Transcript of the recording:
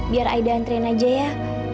biar aida antren aja ya